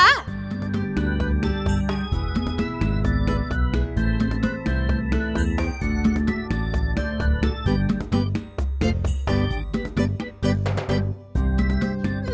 อุ้ย